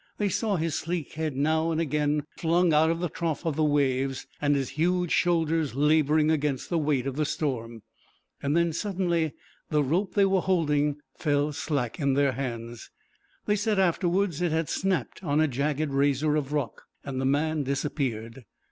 They saw his sleek head now and again flung out of the trough of the waves, and his huge shoulders labouring against the weight of the storm. Then suddenly the rope they were holding fell slack in their hands, they said afterwards it had snapped on a jagged razor of rock, and the man disappeared.